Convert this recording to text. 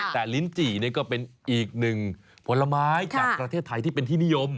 แต่ลิ้นจี่ก็เป็นอีกหนึ่งผลไม้จากประเทศไทยที่เป็นที่นิยม